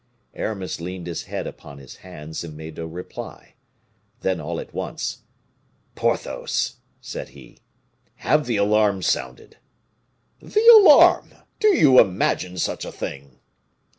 Aramis leaned his head upon his hands, and made no reply. Then, all at once, "Porthos," said he, "have the alarm sounded." "The alarm! do you imagine such a thing?"